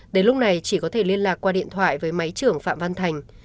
đến lúc này chỉ có thể liên lạc qua điện thoại với máy trưởng phạm văn thành